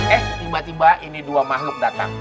eh tiba tiba ini dua makhluk datang